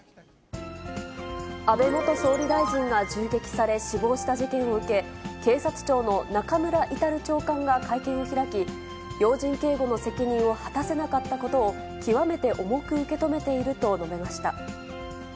安倍元総理大臣が銃撃され、死亡した事件を受け、警察庁の中村格長官が会見を開き、要人警護の責任を果たせなかったことを極めて重く受け止めていると述べました。